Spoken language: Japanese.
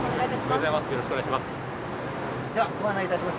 よろしくお願いします。